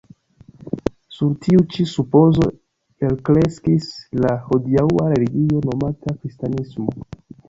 Sur tiu ĉi supozo elkreskis la hodiaŭa religio, nomata kristanismo.